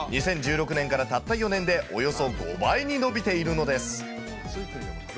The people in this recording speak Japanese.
２０１６年からたった４年でおよそ５倍に伸びているのです。